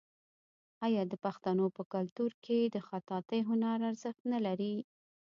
آیا د پښتنو په کلتور کې د خطاطۍ هنر ارزښت نلري؟